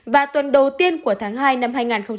và tuần đầu tiên của tháng hai năm hai nghìn hai mươi